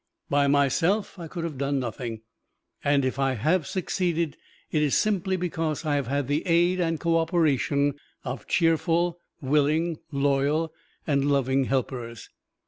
By myself I could have done nothing, and if I have succeeded, it is simply because I have had the aid and co operation of cheerful, willing, loyal and loving helpers.